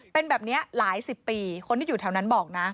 เป็นแบบนี้หลายสิบปีคนที่อยู่แถวนั้นบอกนะ